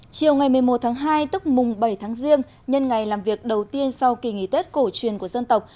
chiều ngày một mươi một tháng hai tức mùng bảy tháng riêng nhân ngày làm việc đầu tiên sau kỳ nghỉ tết cổ truyền của dân tộc